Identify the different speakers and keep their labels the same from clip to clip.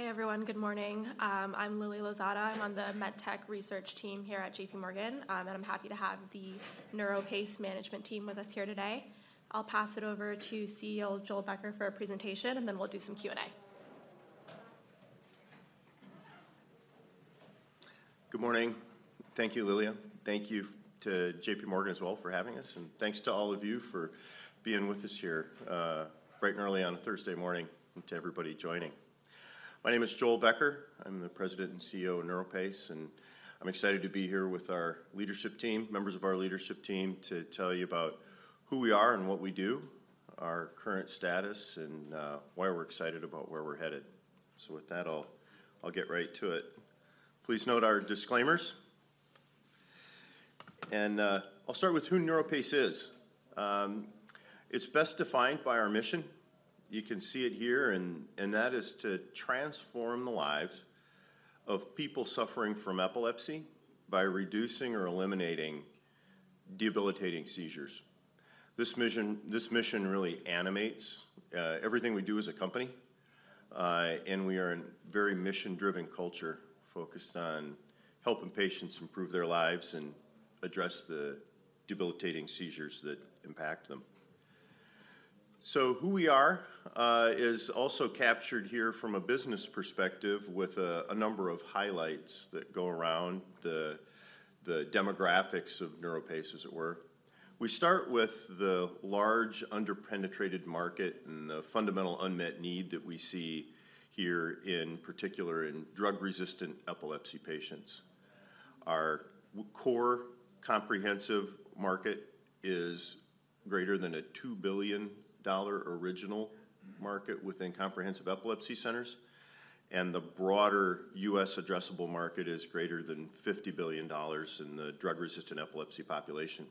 Speaker 1: Hey, everyone. Good morning. I'm Lily Lozada. I'm on the MedTech research team here at J.P. Morgan, and I'm happy to have the NeuroPace management team with us here today. I'll pass it over to CEO Joel Becker for a presentation, and then we'll do some Q&A.
Speaker 2: Good morning. Thank you, Lily. Thank you to J.P. Morgan as well for having us, and thanks to all of you for being with us here, bright and early on a Thursday morning, and to everybody joining. My name is Joel Becker. I'm the President and CEO of NeuroPace, and I'm excited to be here with our leadership team members of our leadership team to tell you about who we are and what we do, our current status, and why we're excited about where we're headed. So with that, I'll get right to it. Please note our disclaimers. I'll start with who NeuroPace is. It's best defined by our mission. You can see it here, and that is to transform the lives of people suffering from epilepsy by reducing or eliminating debilitating seizures. This mission, this mission really animates everything we do as a company, and we are a very mission-driven culture focused on helping patients improve their lives and address the debilitating seizures that impact them. So who we are is also captured here from a business perspective with a number of highlights that go around the demographics of NeuroPace, as it were. We start with the large, under-penetrated market and the fundamental unmet need that we see here, in particular in drug-resistant epilepsy patients. Our core comprehensive market is greater than a $2 billion original market within Comprehensive Epilepsy Centers, and the broader U.S. addressable market is greater than $50 billion in the drug-resistant epilepsy population.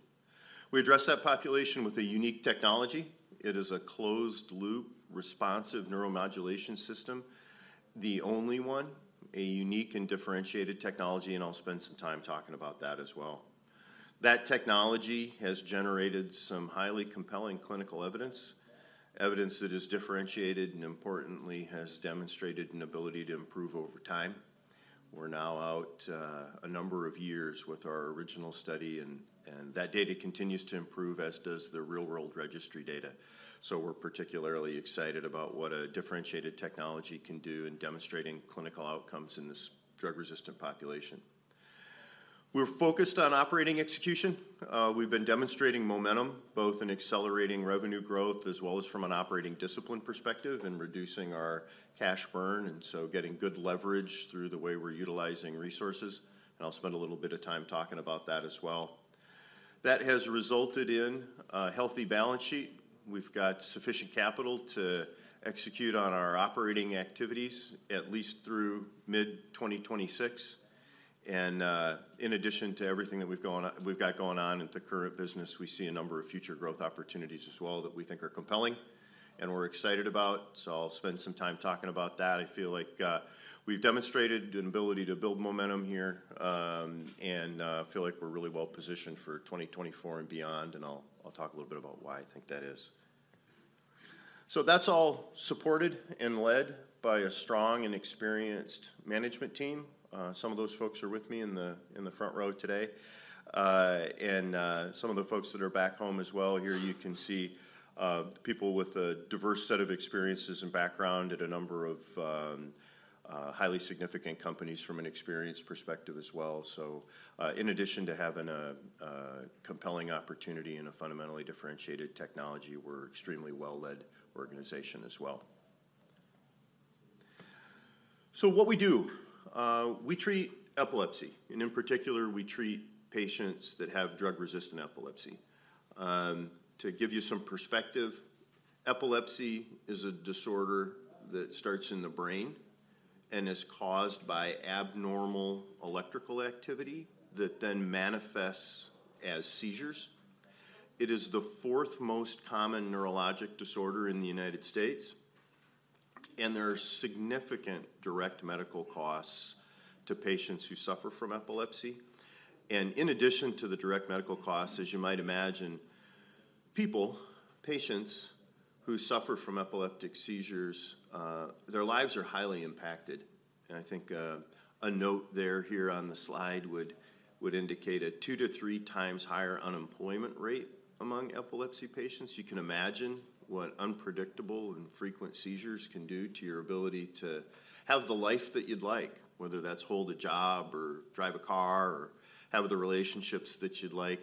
Speaker 2: We address that population with a unique technology. It is a closed-loop, responsive neuromodulation system, the only one, a unique and differentiated technology, and I'll spend some time talking about that as well. That technology has generated some highly compelling clinical evidence, evidence that is differentiated, and importantly, has demonstrated an ability to improve over time. We're now out a number of years with our original study, and that data continues to improve, as does the real-world registry data. So we're particularly excited about what a differentiated technology can do in demonstrating clinical outcomes in this drug-resistant population. We're focused on operating execution. We've been demonstrating momentum, both in accelerating revenue growth as well as from an operating discipline perspective and reducing our cash burn, and so getting good leverage through the way we're utilizing resources, and I'll spend a little bit of time talking about that as well. That has resulted in a healthy balance sheet. We've got sufficient capital to execute on our operating activities at least through mid-2026, and in addition to everything that we've got going on in the current business, we see a number of future growth opportunities as well that we think are compelling and we're excited about. So I'll spend some time talking about that. I feel like we've demonstrated an ability to build momentum here, and I feel like we're really well positioned for 2024 and beyond, and I'll talk a little bit about why I think that is. So that's all supported and led by a strong and experienced management team. Some of those folks are with me in the front row today. And some of the folks that are back home as well. Here you can see, people with a diverse set of experiences and background at a number of, highly significant companies from an experience perspective as well. So, in addition to having a compelling opportunity and a fundamentally differentiated technology, we're extremely well-led organization as well. So what we do, we treat epilepsy, and in particular, we treat patients that have drug-resistant epilepsy. To give you some perspective, epilepsy is a disorder that starts in the brain and is caused by abnormal electrical activity that then manifests as seizures. It is the fourth most common neurologic disorder in the United States, and there are significant direct medical costs to patients who suffer from epilepsy. And in addition to the direct medical costs, as you might imagine, people, patients who suffer from epileptic seizures, their lives are highly impacted. I think, a note there here on the slide would indicate a 2-3 times higher unemployment rate among epilepsy patients. You can imagine what unpredictable and frequent seizures can do to your ability to have the life that you'd like, whether that's hold a job or drive a car or have the relationships that you'd like.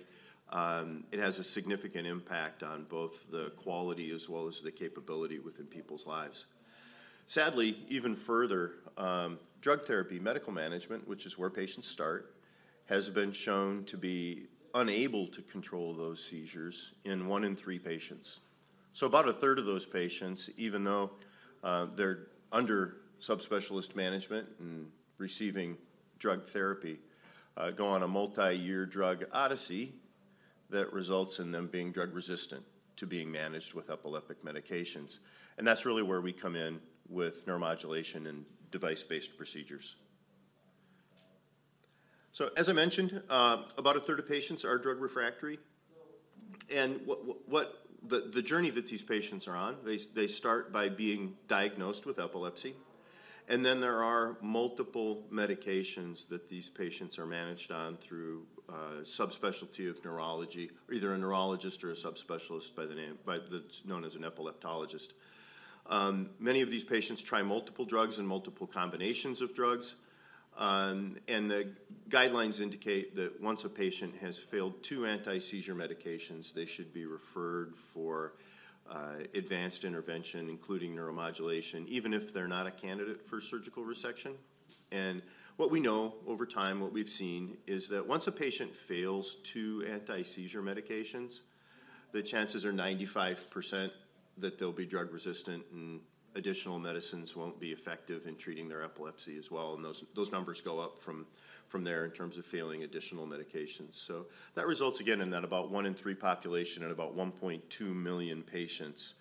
Speaker 2: It has a significant impact on both the quality as well as the capability within people's lives. Sadly, even further, drug therapy, medical management, which is where patients start, has been shown to be unable to control those seizures in 1 in 3 patients. So about 1/3 of those patients, even though, they're under subspecialist management and receiving drug therapy, go on a multi-year drug odyssey that results in them being drug-resistant to being managed with epileptic medications. That's really where we come in with neuromodulation and device-based procedures. So as I mentioned, about a third of patients are drug refractory. And what the journey that these patients are on, they start by being diagnosed with epilepsy, and then there are multiple medications that these patients are managed on through a subspecialty of neurology, either a neurologist or a subspecialist that's known as an epileptologist. Many of these patients try multiple drugs and multiple combinations of drugs, and the guidelines indicate that once a patient has failed two anti-seizure medications, they should be referred for advanced intervention, including neuromodulation, even if they're not a candidate for surgical resection. What we know over time, what we've seen, is that once a patient fails two anti-seizure medications, the chances are 95% that they'll be drug resistant and additional medicines won't be effective in treating their epilepsy as well, and those numbers go up from there in terms of failing additional medications. So that results again in that about one in three population at about 1.2 million patients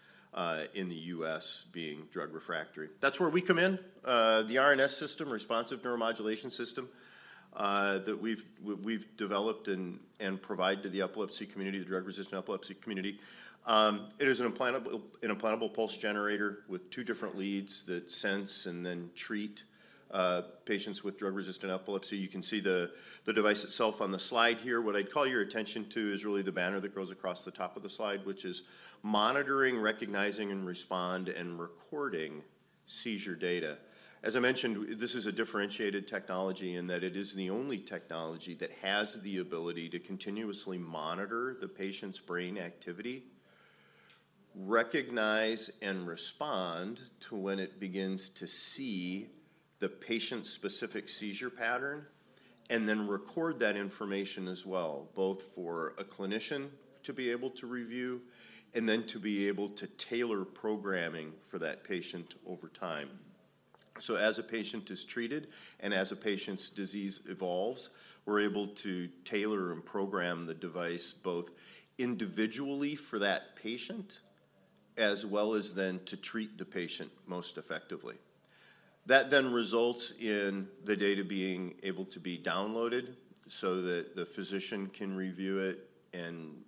Speaker 2: in the U.S. being drug refractory. That's where we come in. The RNS System, Responsive Neuromodulation System, that we've developed and provide to the epilepsy community, the drug-resistant epilepsy community. It is an implantable pulse generator with two different leads that sense and then treat patients with drug-resistant epilepsy. You can see the device itself on the slide here. What I'd call your attention to is really the banner that goes across the top of the slide, which is monitoring, recognizing, and respond, and recording seizure data. As I mentioned, this is a differentiated technology in that it is the only technology that has the ability to continuously monitor the patient's brain activity, recognize and respond to when it begins to see the patient-specific seizure pattern, and then record that information as well, both for a clinician to be able to review and then to be able to tailor programming for that patient over time. So as a patient is treated and as a patient's disease evolves, we're able to tailor and program the device both individually for that patient, as well as then to treat the patient most effectively. That then results in the data being able to be downloaded so that the physician can review it and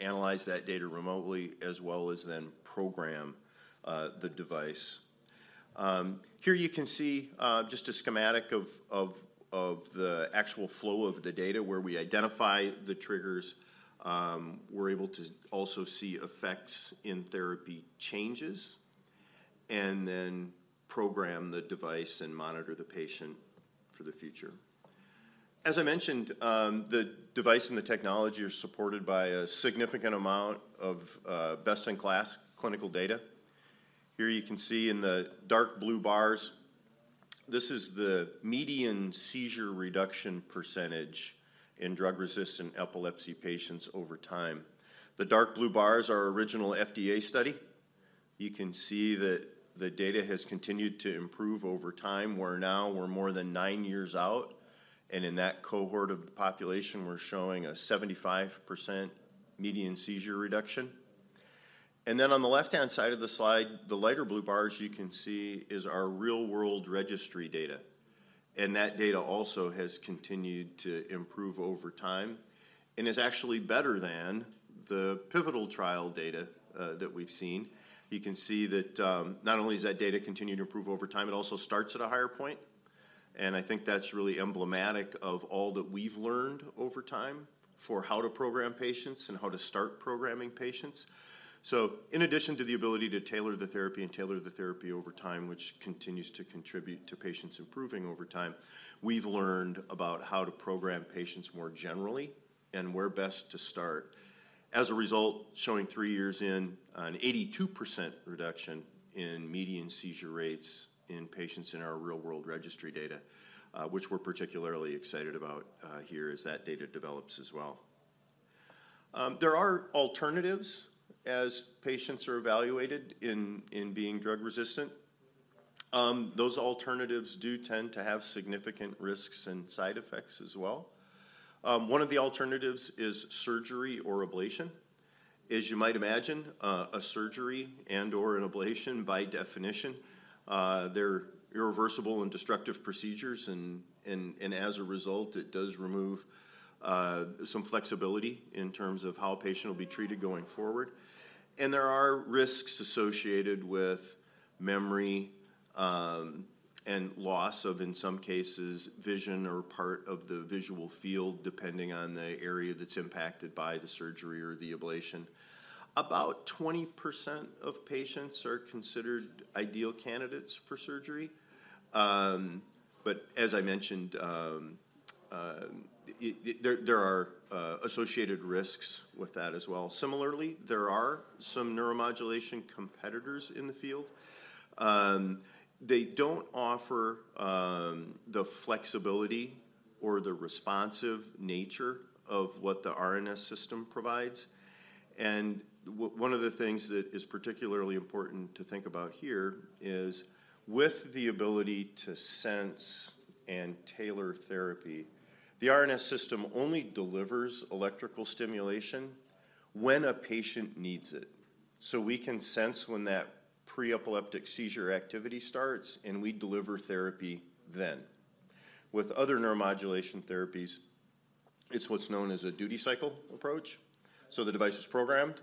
Speaker 2: analyze that data remotely, as well as then program the device. Here you can see just a schematic of the actual flow of the data where we identify the triggers. We're able to also see effects in therapy changes and then program the device and monitor the patient for the future. As I mentioned, the device and the technology are supported by a significant amount of best-in-class clinical data. Here you can see in the dark blue bars, this is the median seizure reduction percentage in drug-resistant epilepsy patients over time. The dark blue bars are original FDA study. You can see that the data has continued to improve over time, where now we're more than 9 years out, and in that cohort of the population, we're showing a 75% median seizure reduction. Then on the left-hand side of the slide, the lighter blue bars you can see is our real-world registry data, and that data also has continued to improve over time and is actually better than the pivotal trial data that we've seen. You can see that not only is that data continuing to improve over time, it also starts at a higher point, and I think that's really emblematic of all that we've learned over time for how to program patients and how to start programming patients. So in addition to the ability to tailor the therapy and tailor the therapy over time, which continues to contribute to patients improving over time, we've learned about how to program patients more generally and where best to start. As a result, showing 3 years in, an 82% reduction in median seizure rates in patients in our real-world registry data, which we're particularly excited about here as that data develops as well. There are alternatives as patients are evaluated in being drug resistant. Those alternatives do tend to have significant risks and side effects as well. One of the alternatives is surgery or ablation. As you might imagine, a surgery and/or an ablation by definition, they're irreversible and destructive procedures, and as a result, it does remove some flexibility in terms of how a patient will be treated going forward. There are risks associated with memory, and loss of, in some cases, vision or part of the visual field, depending on the area that's impacted by the surgery or the ablation. About 20% of patients are considered ideal candidates for surgery. But as I mentioned, there are associated risks with that as well. Similarly, there are some neuromodulation competitors in the field. They don't offer the flexibility or the responsive nature of what the RNS System provides. One of the things that is particularly important to think about here is, with the ability to sense and tailor therapy, the RNS System only delivers electrical stimulation when a patient needs it. So we can sense when that pre-epileptic seizure activity starts, and we deliver therapy then. With other neuromodulation therapies, it's what's known as a duty cycle approach. So the device is programmed,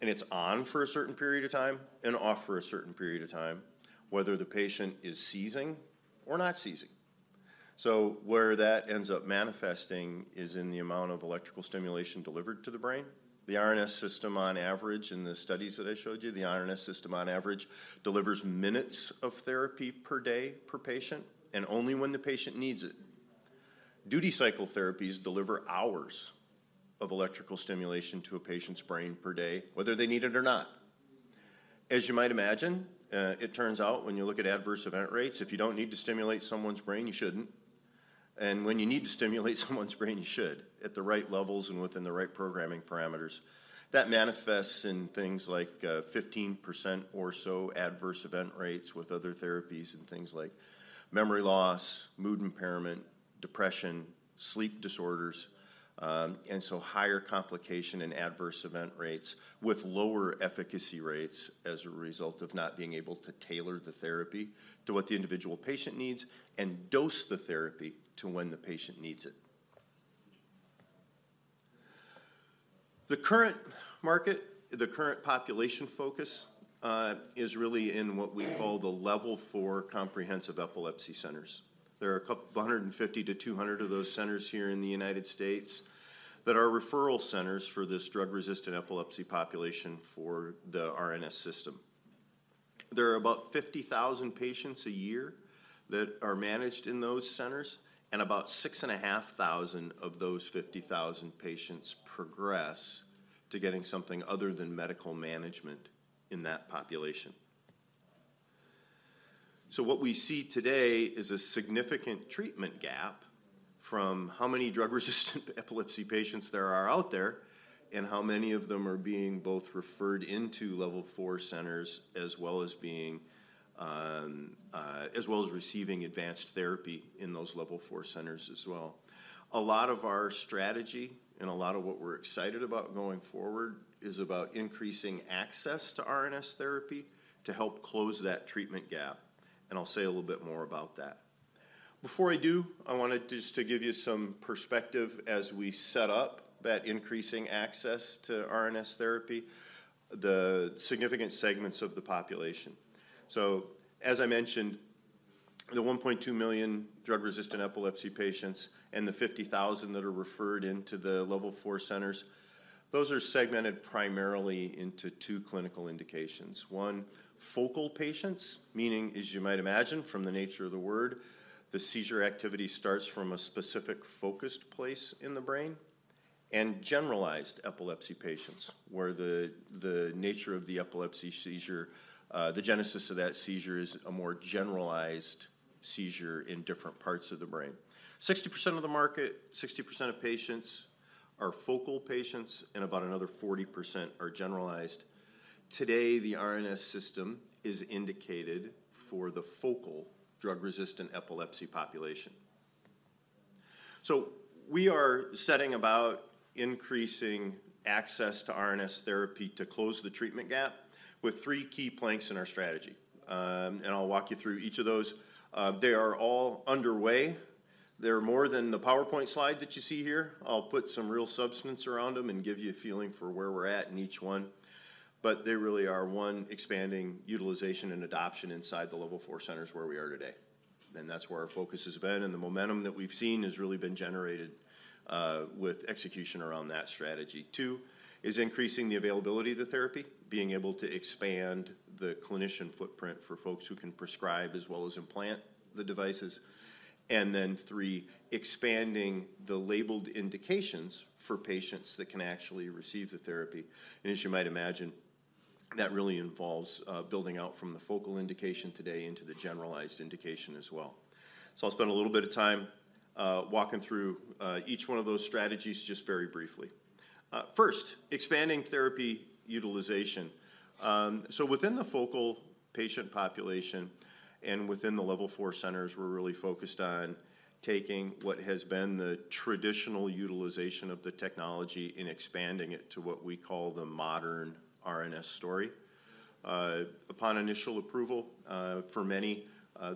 Speaker 2: and it's on for a certain period of time and off for a certain period of time, whether the patient is seizing or not seizing. So where that ends up manifesting is in the amount of electrical stimulation delivered to the brain. The RNS System, on average, in the studies that I showed you, the RNS System, on average, delivers minutes of therapy per day per patient and only when the patient needs it. Duty cycle therapies deliver hours of electrical stimulation to a patient's brain per day, whether they need it or not. As you might imagine, it turns out when you look at adverse event rates, if you don't need to stimulate someone's brain, you shouldn't, and when you need to stimulate someone's brain, you should, at the right levels and within the right programming parameters. That manifests in things like, 15% or so adverse event rates with other therapies and things like memory loss, mood impairment, depression, sleep disorders, and so higher complication and adverse event rates with lower efficacy rates as a result of not being able to tailor the therapy to what the individual patient needs and dose the therapy to when the patient needs it. The current market, the current population focus, is really in what we call the Level 4 Comprehensive Epilepsy Centers. There are a couple—150-200 of those centers here in the United States that are referral centers for this drug-resistant epilepsy population for the RNS System. There are about 50,000 patients a year that are managed in those centers, and about 6,500 of those 50,000 patients progress to getting something other than medical management in that population. So what we see today is a significant treatment gap from how many drug-resistant epilepsy patients there are out there and how many of them are being both referred into Level 4 centers, as well as receiving advanced therapy in those Level 4 centers as well. A lot of our strategy and a lot of what we're excited about going forward is about increasing access to RNS therapy to help close that treatment gap, and I'll say a little bit more about that. Before I do, I wanted just to give you some perspective as we set up that increasing access to RNS therapy, the significant segments of the population. So as I mentioned, the 1.2 million drug-resistant epilepsy patients and the 50,000 that are referred into the Level 4 centers, those are segmented primarily into 2 clinical indications. 1, focal patients, meaning, as you might imagine from the nature of the word, the seizure activity starts from a specific focused place in the brain. Generalized epilepsy patients, where the nature of the epilepsy seizure, the genesis of that seizure is a more generalized seizure in different parts of the brain. 60% of the market, 60% of patients are focal patients, and about another 40% are generalized. Today, the RNS System is indicated for the focal drug-resistant epilepsy population. We are setting about increasing access to RNS therapy to close the treatment gap with 3 key planks in our strategy, and I'll walk you through each of those. They are all underway. They're more than the PowerPoint slide that you see here. I'll put some real substance around them and give you a feeling for where we're at in each one, but they really are one, expanding utilization and adoption inside the Level 4 centers where we are today. And that's where our focus has been, and the momentum that we've seen has really been generated with execution around that strategy. 2 is increasing the availability of the therapy, being able to expand the clinician footprint for folks who can prescribe as well as implant the devices. And then 3, expanding the labeled indications for patients that can actually receive the therapy. And as you might imagine, that really involves building out from the focal indication today into the generalized indication as well. So I'll spend a little bit of time walking through each one of those strategies just very briefly. First, expanding therapy utilization. So within the focal patient population and within the Level 4 centers, we're really focused on taking what has been the traditional utilization of the technology and expanding it to what we call the modern RNS story. Upon initial approval, for many,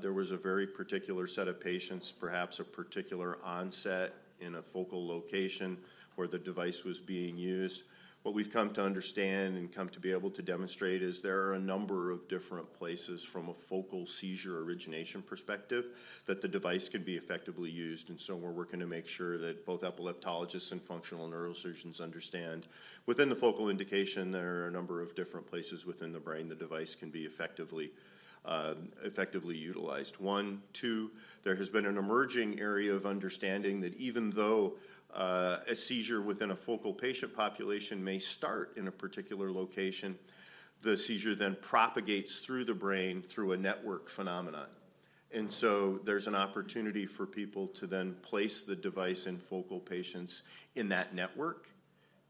Speaker 2: there was a very particular set of patients, perhaps a particular onset in a focal location where the device was being used. What we've come to understand and come to be able to demonstrate is there are a number of different places from a focal seizure origination perspective that the device can be effectively used. And so we're working to make sure that both epileptologists and functional neurosurgeons understand within the focal indication, there are a number of different places within the brain the device can be effectively utilized. One, two, there has been an emerging area of understanding that even though a seizure within a focal patient population may start in a particular location, the seizure then propagates through the brain through a network phenomenon. So there's an opportunity for people to then place the device in focal patients in that network,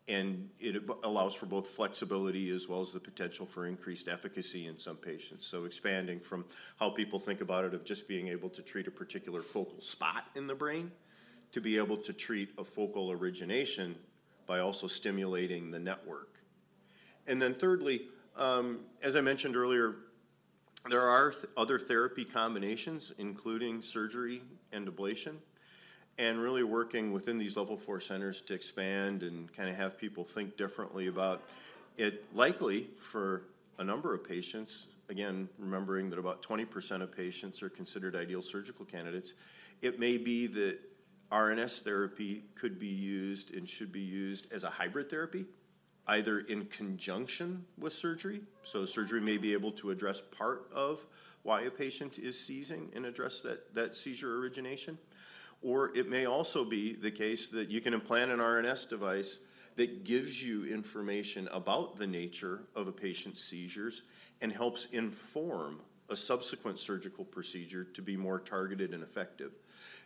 Speaker 2: and it allows for both flexibility as well as the potential for increased efficacy in some patients. So expanding from how people think about it, of just being able to treat a particular focal spot in the brain, to be able to treat a focal origination by also stimulating the network. And then thirdly, as I mentioned earlier, there are other therapy combinations, including surgery and ablation, and really working within these Level 4 centers to expand and kinda have people think differently about it. Likely, for a number of patients, again, remembering that about 20% of patients are considered ideal surgical candidates, it may be that RNS therapy could be used and should be used as a hybrid therapy, either in conjunction with surgery. So surgery may be able to address part of why a patient is seizing and address that, that seizure origination, or it may also be the case that you can implant an RNS device that gives you information about the nature of a patient's seizures and helps inform a subsequent surgical procedure to be more targeted and effective.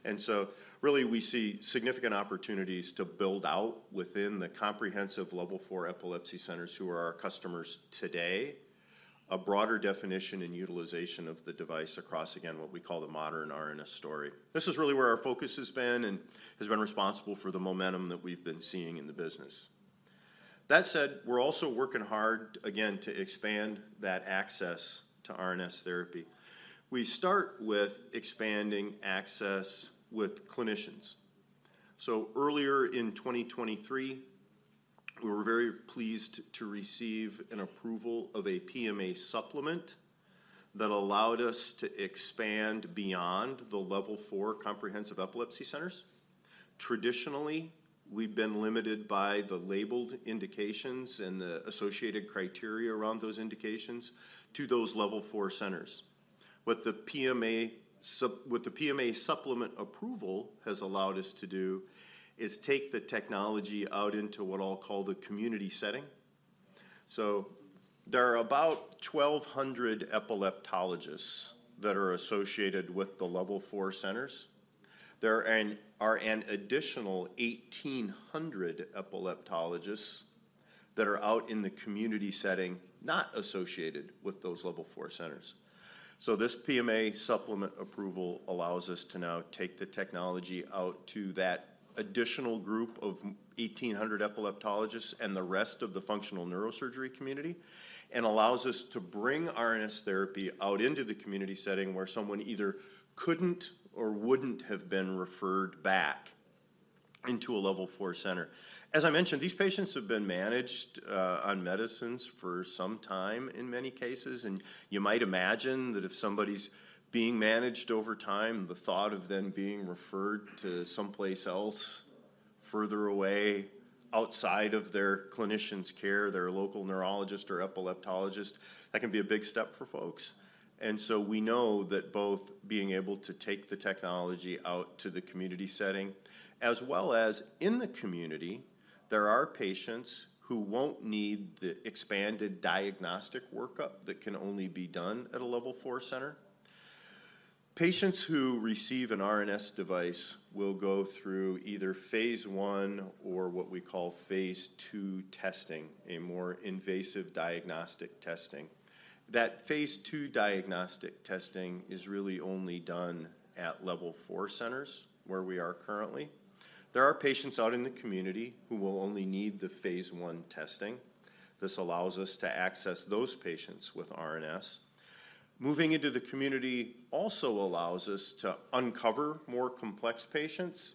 Speaker 2: And so really, we see significant opportunities to build out within the Comprehensive Level 4 Epilepsy Centers, who are our customers today, a broader definition and utilization of the device across, again, what we call the modern RNS story. This is really where our focus has been and has been responsible for the momentum that we've been seeing in the business. That said, we're also working hard, again, to expand that access to RNS therapy. We start with expanding access with clinicians. So earlier in 2023, we were very pleased to receive an approval of a PMA supplement that allowed us to expand beyond the Level 4 comprehensive epilepsy centers. Traditionally, we've been limited by the labeled indications and the associated criteria around those indications to those Level 4 centers. What the PMA supplement approval has allowed us to do is take the technology out into what I'll call the community setting. So there are about 1,200 epileptologists that are associated with the Level 4 centers. There are an additional 1,800 epileptologists that are out in the community setting, not associated with those Level 4 centers. So this PMA supplement approval allows us to now take the technology out to that additional group of 1,800 epileptologists and the rest of the functional neurosurgery community, and allows us to bring RNS therapy out into the community setting, where someone either couldn't or wouldn't have been referred back into a Level 4 center. As I mentioned, these patients have been managed on medicines for some time in many cases, and you might imagine that if somebody's being managed over time, the thought of them being referred to someplace else further away outside of their clinician's care, their local neurologist or epileptologist, that can be a big step for folks. So we know that both being able to take the technology out to the community setting, as well as in the community, there are patients who won't need the expanded diagnostic workup that can only be done at a Level 4 center. Patients who receive an RNS device will go through either phase I or what we call phase II testing, a more invasive diagnostic testing. That phase II diagnostic testing is really only done at Level 4 centers, where we are currently. There are patients out in the community who will only need the phase I testing. This allows us to access those patients with RNS. Moving into the community also allows us to uncover more complex patients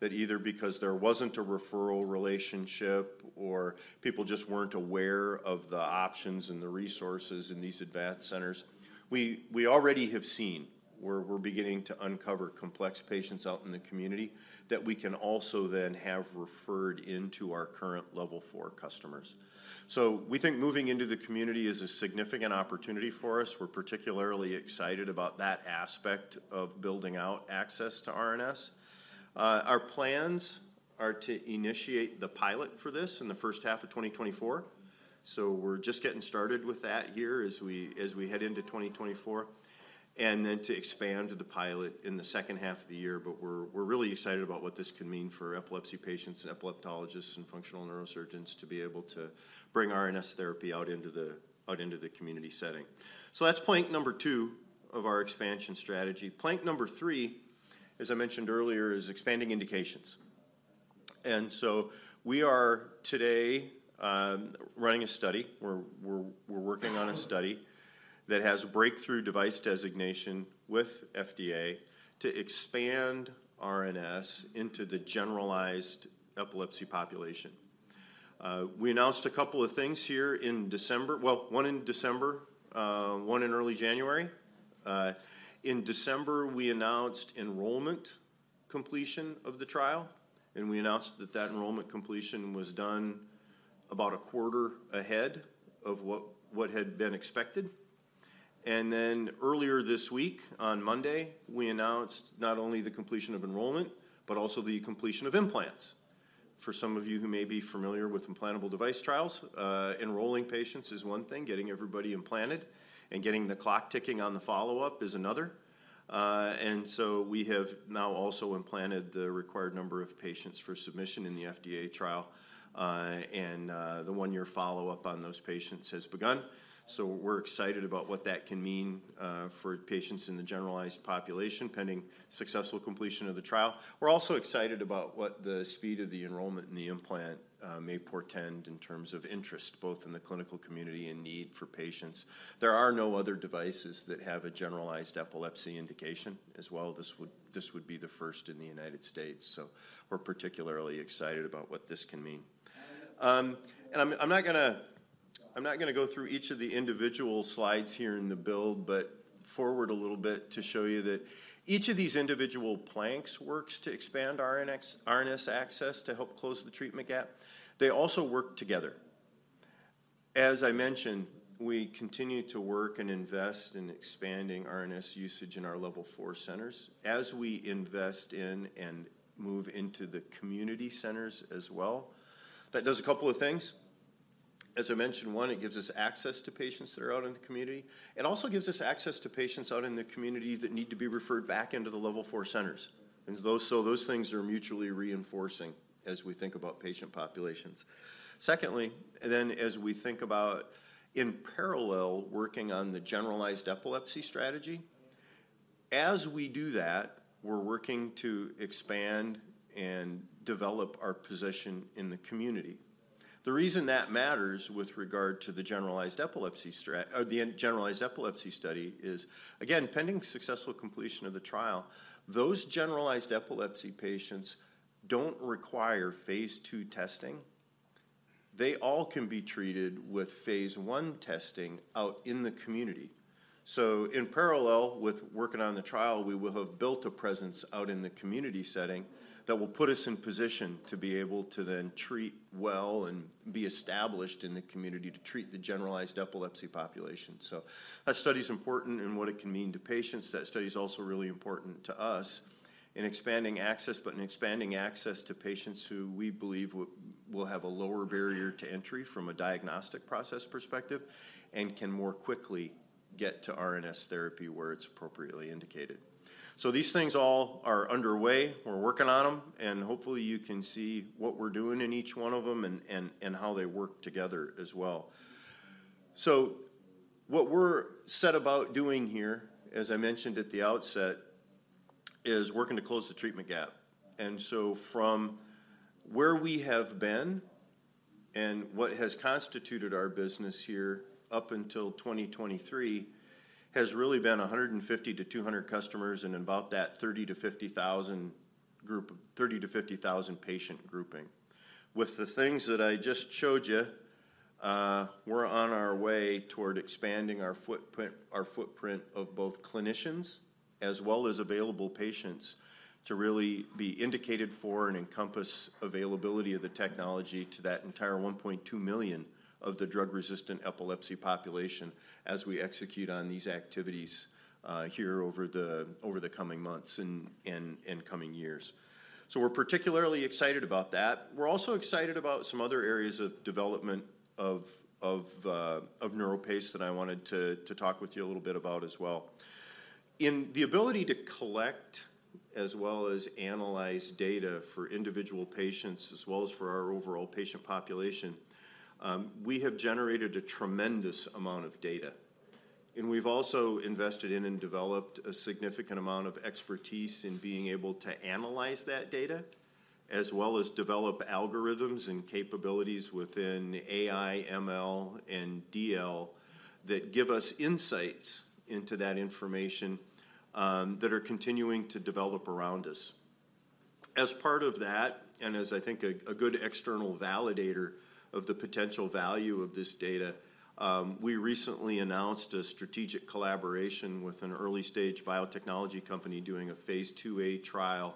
Speaker 2: that either because there wasn't a referral relationship or people just weren't aware of the options and the resources in these advanced centers. We already have seen, we're beginning to uncover complex patients out in the community that we can also then have referred into our current Level 4 customers. So we think moving into the community is a significant opportunity for us. We're particularly excited about that aspect of building out access to RNS. Our plans are to initiate the pilot for this in the first half of 2024, so we're just getting started with that here as we head into 2024, and then to expand the pilot in the second half of the year. But we're really excited about what this can mean for epilepsy patients, and epileptologists, and functional neurosurgeons to be able to bring RNS therapy out into the community setting. So that's point number 2 of our expansion strategy. Point number three, as I mentioned earlier, is expanding indications. And so we are today, running a study—we're working on a study that has a breakthrough device designation with FDA to expand RNS into the generalized epilepsy population. We announced a couple of things here in December—well, one in December, one in early January. In December, we announced enrollment completion of the trial, and we announced that that enrollment completion was done about a quarter ahead of what had been expected. And then earlier this week, on Monday, we announced not only the completion of enrollment, but also the completion of implants. For some of you who may be familiar with implantable device trials, enrolling patients is one thing. Getting everybody implanted and getting the clock ticking on the follow-up is another.... And so we have now also implanted the required number of patients for submission in the FDA trial, and the one-year follow-up on those patients has begun. So we're excited about what that can mean for patients in the generalized population, pending successful completion of the trial. We're also excited about what the speed of the enrollment in the implant may portend in terms of interest, both in the clinical community and need for patients. There are no other devices that have a generalized epilepsy indication as well. This would be the first in the United States, so we're particularly excited about what this can mean. And I'm not gonna go through each of the individual slides here in the build, but forward a little bit to show you that each of these individual planks works to expand our RNS access to help close the treatment gap. They also work together. As I mentioned, we continue to work and invest in expanding RNS usage in our Level 4 centers as we invest in and move into the community centers as well. That does a couple of things. As I mentioned, one, it gives us access to patients that are out in the community. It also gives us access to patients out in the community that need to be referred back into the Level 4 centers. And so those things are mutually reinforcing as we think about patient populations. Secondly, then as we think about in parallel, working on the generalized epilepsy strategy, as we do that, we're working to expand and develop our position in the community. The reason that matters with regard to the generalized epilepsy strategy or the generalized epilepsy study is, again, pending successful completion of the trial, those generalized epilepsy patients don't require phase II testing. They all can be treated with phase I testing out in the community. So in parallel with working on the trial, we will have built a presence out in the community setting that will put us in position to be able to then treat well and be established in the community to treat the generalized epilepsy population. So that study is important in what it can mean to patients. That study is also really important to us in expanding access, but in expanding access to patients who we believe will have a lower barrier to entry from a diagnostic process perspective, and can more quickly get to RNS therapy where it's appropriately indicated. So these things all are underway. We're working on them, and hopefully, you can see what we're doing in each one of them and how they work together as well. So what we're set about doing here, as I mentioned at the outset, is working to close the treatment gap. So from where we have been and what has constituted our business here up until 2023, has really been 150-200 customers and about that 30,000-50,000 patient grouping. With the things that I just showed you, we're on our way toward expanding our footprint, our footprint of both clinicians as well as available patients to really be indicated for and encompass availability of the technology to that entire 1.2 million of the drug-resistant epilepsy population as we execute on these activities, here over the coming months and coming years. So we're particularly excited about that. We're also excited about some other areas of development of NeuroPace that I wanted to talk with you a little bit about as well. In the ability to collect, as well as analyze data for individual patients, as well as for our overall patient population, we have generated a tremendous amount of data. And we've also invested in and developed a significant amount of expertise in being able to analyze that data, as well as develop algorithms and capabilities within AI, ML, and DL that give us insights into that information, that are continuing to develop around us. As part of that, and as I think a good external validator of the potential value of this data, we recently announced a strategic collaboration with an early-stage biotechnology company doing a phase II-A trial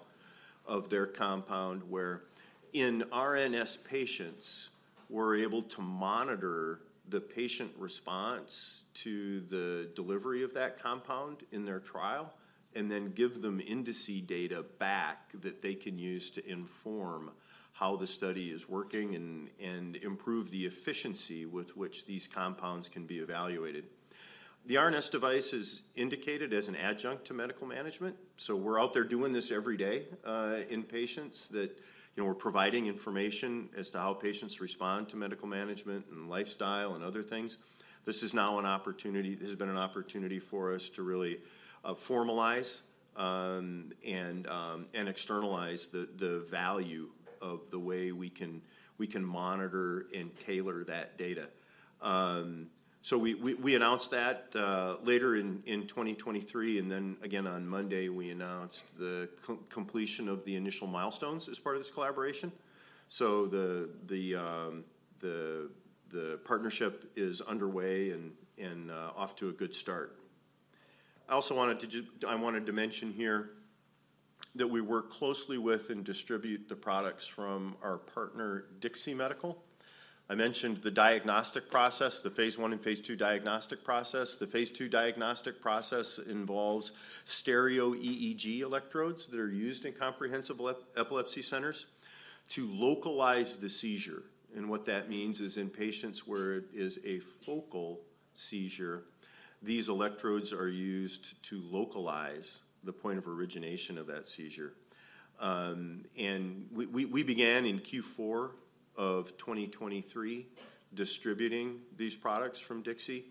Speaker 2: of their compound where in RNS patients, we're able to monitor the patient response to the delivery of that compound in their trial, and then give them indices data back that they can use to inform how the study is working and improve the efficiency with which these compounds can be evaluated. The RNS device is indicated as an adjunct to medical management, so we're out there doing this every day in patients. You know, we're providing information as to how patients respond to medical management and lifestyle and other things. This has been an opportunity for us to really formalize and externalize the value of the way we can monitor and tailor that data. So we announced that later in 2023, and then again on Monday, we announced the completion of the initial milestones as part of this collaboration. So the partnership is underway and off to a good start. I wanted to mention here that we work closely with and distribute the products from our partner, DIXI Medical. I mentioned the diagnostic process, the phase I and phase II diagnostic process. The phase II diagnostic process involves SEEG electrodes that are used in comprehensive epilepsy centers to localize the seizure. What that means is in patients where it is a focal seizure. These electrodes are used to localize the point of origination of that seizure. We began in Q4 of 2023 distributing these products from DIXI.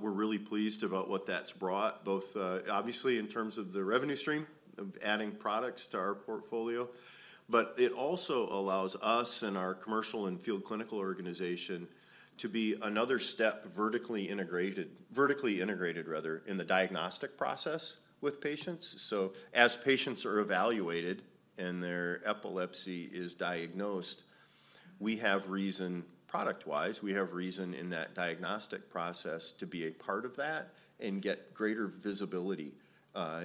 Speaker 2: We're really pleased about what that's brought, both obviously in terms of the revenue stream, of adding products to our portfolio, but it also allows us and our commercial and field clinical organization to be another step vertically integrated rather, in the diagnostic process with patients. So as patients are evaluated and their epilepsy is diagnosed, we have reason, product-wise, we have reason in that diagnostic process to be a part of that and get greater visibility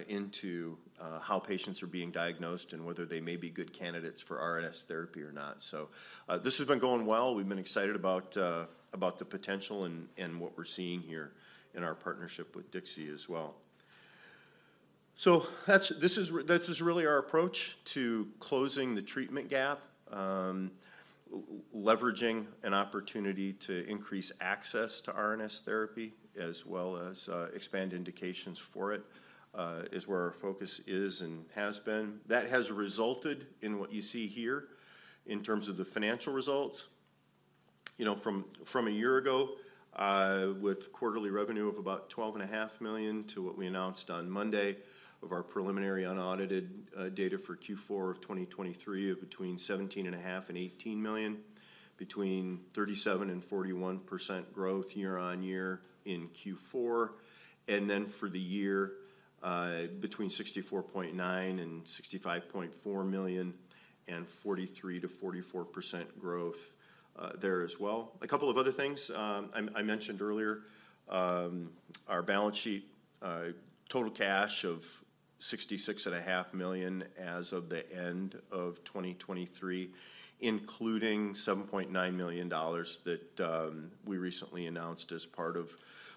Speaker 2: into how patients are being diagnosed and whether they may be good candidates for RNS therapy or not. So, this has been going well. We've been excited about the potential and what we're seeing here in our partnership with DIXI as well. So that's—this is really our approach to closing the treatment gap, leveraging an opportunity to increase access to RNS therapy as well as expand indications for it, is where our focus is and has been. That has resulted in what you see here in terms of the financial results. You know, from a year ago, with quarterly revenue of about $12.5 million, to what we announced on Monday of our preliminary unaudited data for Q4 of 2023 of between $17.5 and $18 million, between 37% and 41% growth year-on-year in Q4. And then for the year, between $64.9 and $65.4 million, and 43%-44% growth there as well. A couple of other things. I mentioned earlier, our balance sheet, total cash of $66.5 million as of the end of 2023, including $7.9 million that we recently announced as part of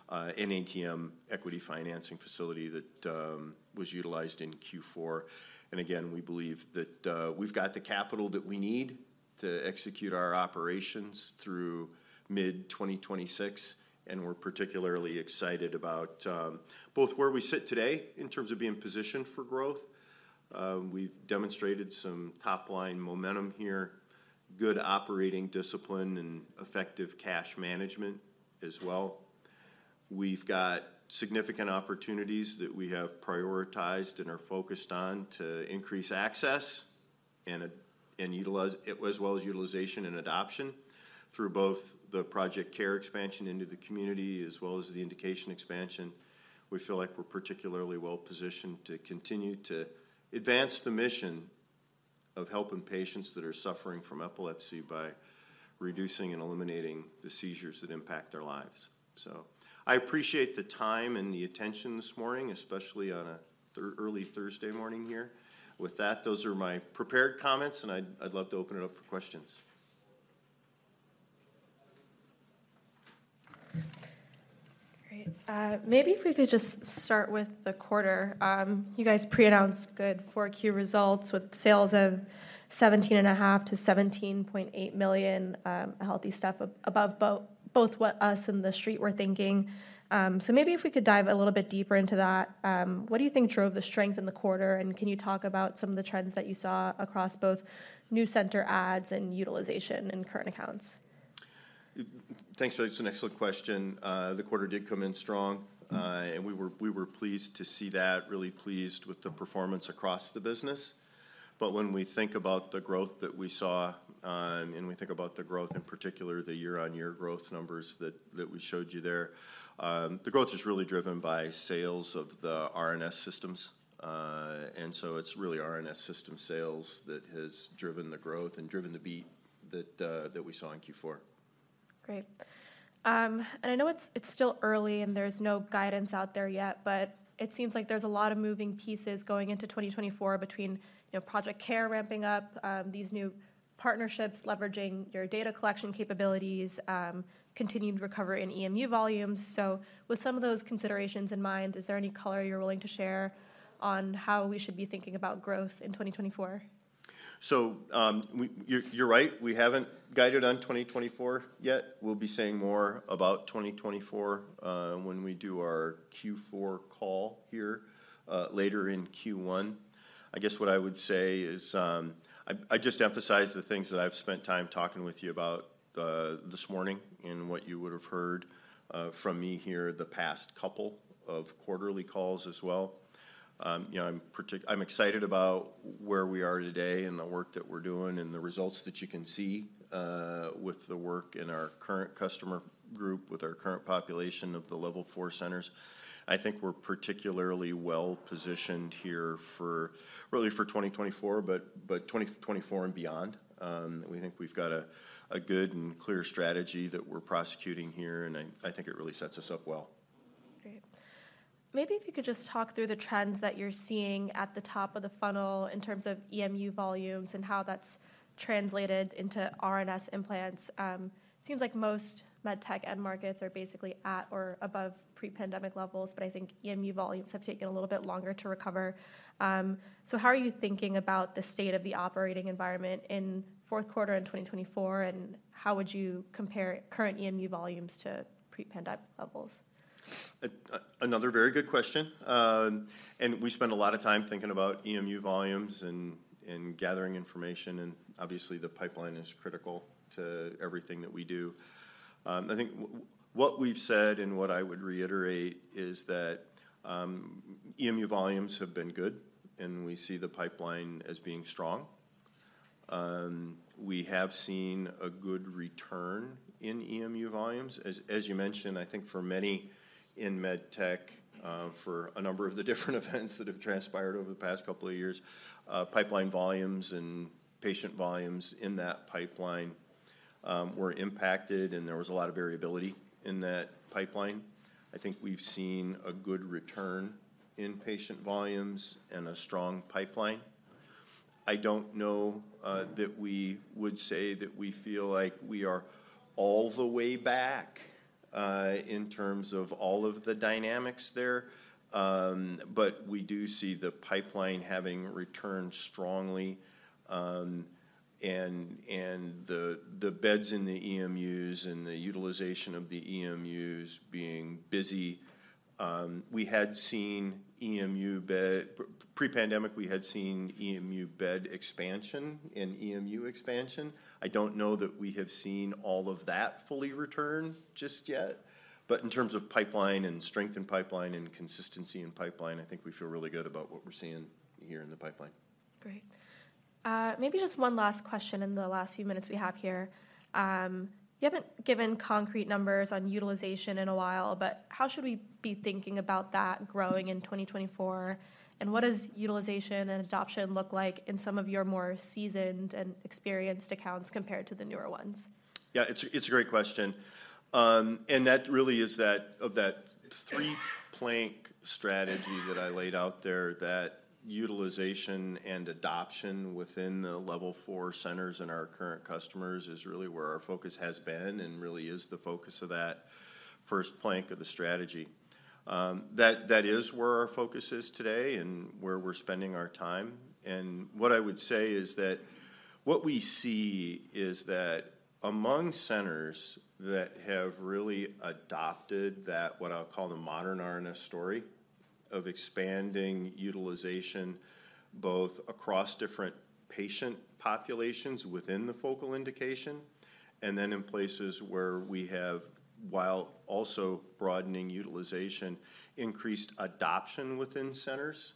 Speaker 2: an ATM equity financing facility that was utilized in Q4. Again, we believe that we've got the capital that we need to execute our operations through mid-2026, and we're particularly excited about both where we sit today in terms of being positioned for growth. We've demonstrated some top-line momentum here, good operating discipline, and effective cash management as well. We've got significant opportunities that we have prioritized and are focused on to increase access and utilization and adoption through both the Project CARE expansion into the community as well as the indication expansion. We feel like we're particularly well-positioned to continue to advance the mission of helping patients that are suffering from epilepsy by reducing and eliminating the seizures that impact their lives. So I appreciate the time and the attention this morning, especially on an early Thursday morning here. With that, those are my prepared comments, and I'd love to open it up for questions.
Speaker 1: Great. Maybe if we could just start with the quarter. You guys pre-announced good Q4 results with sales of $17.5 million-$17.8 million, a healthy step above both what us and the street were thinking. So maybe if we could dive a little bit deeper into that. What do you think drove the strength in the quarter? And can you talk about some of the trends that you saw across both new center adds and utilization in current accounts?
Speaker 2: Thanks, Lily. It's an excellent question. The quarter did come in strong, and we were pleased to see that, really pleased with the performance across the business. But when we think about the growth that we saw, and we think about the growth, in particular, the year-on-year growth numbers that we showed you there, the growth is really driven by sales of the RNS System. And so it's really RNS System sales that has driven the growth and driven the beat that we saw in Q4.
Speaker 1: Great. And I know it's still early and there's no guidance out there yet, but it seems like there's a lot of moving pieces going into 2024 between, you know, Project CARE ramping up, these new partnerships, leveraging your data collection capabilities, continuing to recover in EMU volumes. So with some of those considerations in mind, is there any color you're willing to share on how we should be thinking about growth in 2024?
Speaker 2: So, you're right, we haven't guided on 2024 yet. We'll be saying more about 2024, when we do our Q4 call here, later in Q1. I guess what I would say is, I'd just emphasize the things that I've spent time talking with you about, this morning and what you would have heard, from me here the past couple of quarterly calls as well. You know, I'm excited about where we are today and the work that we're doing and the results that you can see, with the work in our current customer group, with our current population of the Level 4 centers. I think we're particularly well-positioned here for, really for 2024, but 2024 and beyond. We think we've got a good and clear strategy that we're prosecuting here, and I think it really sets us up well.
Speaker 1: Great. Maybe if you could just talk through the trends that you're seeing at the top of the funnel in terms of EMU volumes and how that's translated into RNS implants. Seems like most med tech end markets are basically at or above pre-pandemic levels, but I think EMU volumes have taken a little bit longer to recover. So how are you thinking about the state of the operating environment in fourth quarter in 2024, and how would you compare current EMU volumes to pre-pandemic levels? ...
Speaker 2: Another very good question. And we spend a lot of time thinking about EMU volumes and gathering information, and obviously, the pipeline is critical to everything that we do. I think what we've said, and what I would reiterate, is that EMU volumes have been good, and we see the pipeline as being strong. We have seen a good return in EMU volumes. As you mentioned, I think for many in med tech, for a number of the different events that have transpired over the past couple of years, pipeline volumes and patient volumes in that pipeline were impacted, and there was a lot of variability in that pipeline. I think we've seen a good return in patient volumes and a strong pipeline. I don't know that we would say that we feel like we are all the way back in terms of all of the dynamics there. But we do see the pipeline having returned strongly, and the beds in the EMUs and the utilization of the EMUs being busy. Pre-pandemic, we had seen EMU bed expansion and EMU expansion. I don't know that we have seen all of that fully return just yet, but in terms of pipeline and strength in pipeline and consistency in pipeline, I think we feel really good about what we're seeing here in the pipeline.
Speaker 1: Great. Maybe just one last question in the last few minutes we have here. You haven't given concrete numbers on utilization in a while, but how should we be thinking about that growing in 2024? And what does utilization and adoption look like in some of your more seasoned and experienced accounts compared to the newer ones?
Speaker 2: Yeah, it's a great question. And that really is that of that three-plank strategy that I laid out there, that utilization and adoption within the Level 4 centers and our current customers is really where our focus has been and really is the focus of that first plank of the strategy. That is where our focus is today and where we're spending our time. What I would say is that what we see is that among centers that have really adopted that, what I'll call the modern RNS story, of expanding utilization, both across different patient populations within the focal indication, and then in places where we have, while also broadening utilization, increased adoption within centers,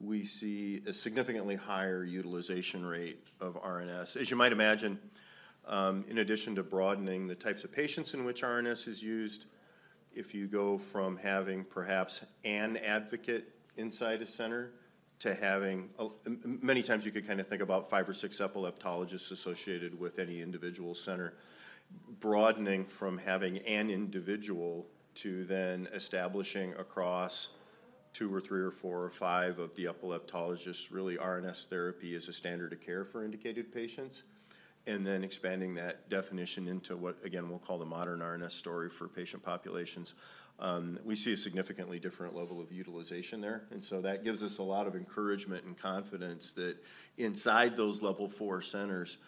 Speaker 2: we see a significantly higher utilization rate of RNS. As you might imagine, in addition to broadening the types of patients in which RNS is used, if you go from having perhaps an advocate inside a center to having many times, you could kinda think about five or six epileptologists associated with any individual center, broadening from having an individual to then establishing across two or three or four or five of the epileptologists, really, RNS therapy as a standard of care for indicated patients, and then expanding that definition into what, again, we'll call the modern RNS story for patient populations. We see a significantly different level of utilization there, and so that gives us a lot of encouragement and confidence that inside those Level 4 centers,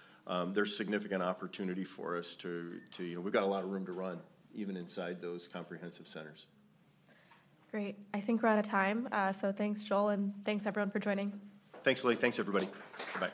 Speaker 2: there's significant opportunity for us to. You know, we've got a lot of room to run, even inside those comprehensive centers.
Speaker 1: Great. I think we're out of time, so thanks, Joel, and thanks, everyone, for joining.
Speaker 2: Thanks, Lily. Thanks, everybody. Bye.